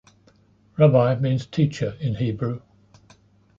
Rabbi means teacher in Hebrew.